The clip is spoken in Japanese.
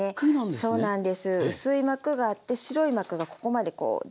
そうなんです。